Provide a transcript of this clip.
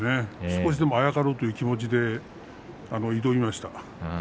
少しでもあやかろうという気持ちで挑みました。